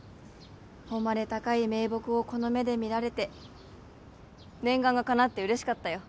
誉れ高い銘木をこの目で見られて念願が叶って嬉しかったよ